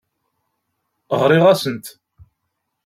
Ɣriɣ-asent.